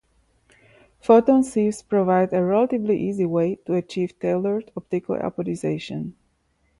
Photon sieves provide a relatively easy way to achieve tailored optical apodization.